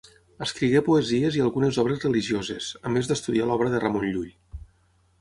Escrigué poesies i algunes obres religioses, a més d'estudiar l'obra de Ramon Llull.